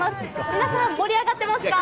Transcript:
皆さん、盛り上がってますか？